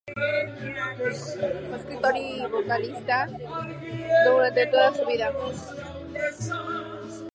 Fue escritor y periodista durante toda su vida.